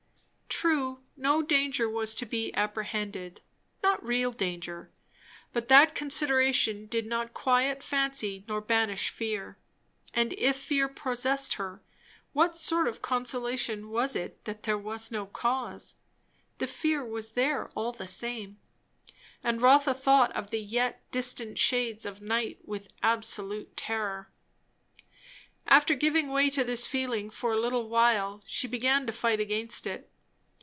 True, no danger was to be apprehended; not real danger; but that consideration did not quiet fancy nor banish fear; and if fear possessed her, what sort of consolation was it that there was no cause? The fear was there, all the same; and Rotha thought of the yet distant shades of night with absolute terror. After giving way to this feeling for a little while, she began to fight against it.